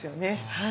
はい。